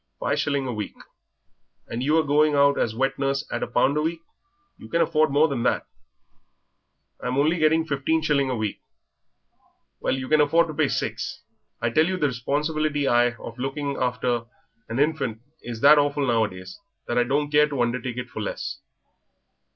"Five shillings a week." "And you a going out as wet nurse at a pound a week; you can afford more than that." "I'm only getting fifteen shillings a week." "Well, you can afford to pay six. I tell you the responsibility I of looking after a hinfant is that awful nowadays that I don't care to undertake it for less."